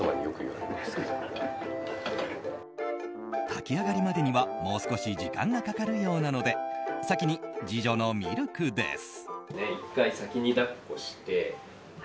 炊き上がりまでにはもう少し時間がかかるようなので先に次女のミルクです。